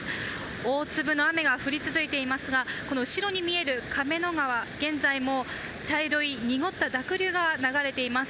大粒の雨が降り続いていますが、後ろに見える亀の川、現在も茶色い濁った濁流が流れています。